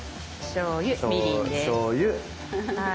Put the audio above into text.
しょうゆみりんです。